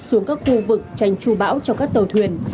xuống các khu vực tránh trù bão cho các tàu thuyền